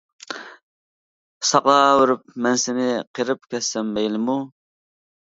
ساقلاۋېرىپ مەن سېنى، قېرىپ كەتسەم مەيلىمۇ.